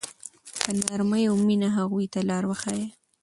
په نرمۍ او مینه هغوی ته لاره وښایئ.